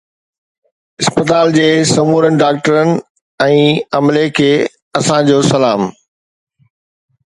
اسپتال جي سمورن ڊاڪٽرن ۽ عملي کي اسانجو سلام